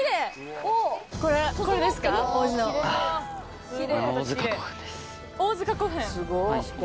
王塚古墳。